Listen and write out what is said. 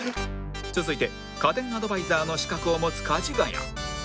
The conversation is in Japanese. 続いて家電アドバイザーの資格を持つかじがや